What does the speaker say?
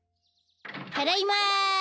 ただいま。